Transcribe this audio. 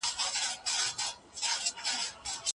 د ایوډین لرونکې مالګه ولي مهمه ده؟